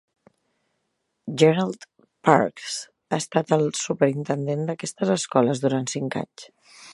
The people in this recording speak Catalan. Gerald Parks ha estat el superintendent d'aquestes escoles durant cinc anys.